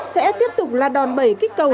sẽ tiếp tục là đòn bẩy kích cầu